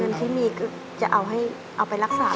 ที่มีก็จะเอาไปรักษา